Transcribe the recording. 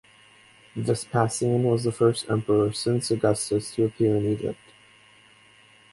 Vespasian was the first emperor since Augustus to appear in Egypt.